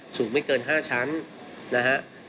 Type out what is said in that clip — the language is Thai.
สูงไม่เกิน๕ชั้นนะฮะ